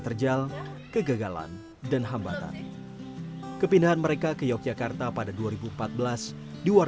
terus kita itu juga kayak sebenarnya kita juga butuh beliau